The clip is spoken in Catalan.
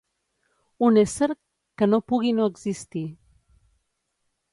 Un ésser que no pugui no existir.